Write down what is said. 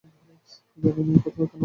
জানি না একথা কেন বললাম।